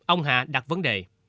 ông hạ đặt vấn đề